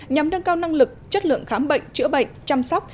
nhằm nâng cao năng lực chất lượng khám bệnh chữa bệnh chăm sóc